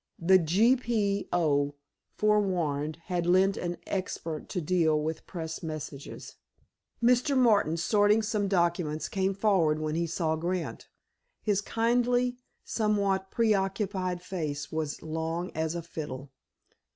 The G. P. O., forewarned, had lent an expert to deal with press messages. Mr. Martin, sorting some documents, came forward when he saw Grant. His kindly, somewhat pre occupied face was long as a fiddle.